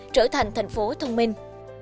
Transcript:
trở thành thành phố thông minh